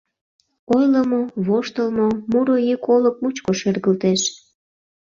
Ойлымо, воштылмо, муро йӱк олык мучко шергылтеш...